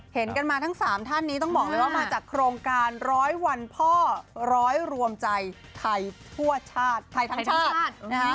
เห็นกันมาทั้ง๓ท่านนี้ต้องบอกเลยว่ามาจากโครงการร้อยวันพ่อร้อยรวมใจไทยทั่วชาติไทยทั้งชาตินะฮะ